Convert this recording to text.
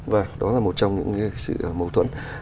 và đó là một trong những sự mâu thuẫn